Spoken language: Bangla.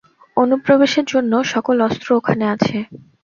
অনুপ্রবেশের জন্য সকল অস্ত্র ওখানে আছে।